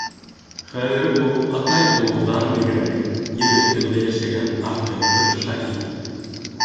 Хәҙер ул, атай булыуҙан бигерәк, ер өҫтөндә йәшәгән артыҡ бер шаһит.